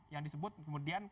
yang disebut kemudian